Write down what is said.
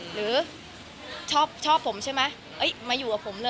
หรือชอบผมใช่ไหม